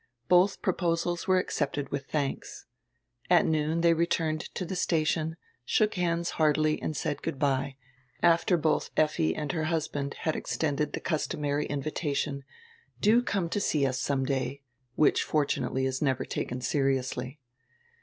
Bodi pro posals were accepted widi dianks. At noon diey returned to die station, shook hands heartily and said good by, after both Effi and her husband had extended die customary invitation, "Do come to see us some day," which fortu nately is never taken seriously.